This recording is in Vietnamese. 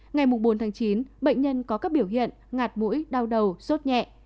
ngày mùng bốn tháng chín bệnh nhân có các biểu hiện ngạt mũi đau đầu sốt nhẹ